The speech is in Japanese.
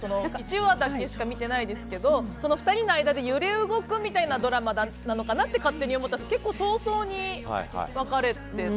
１話だけしか見てないですけど２人の間で揺れ動くみたいなドラマなのかなと思ったら早々に別れて。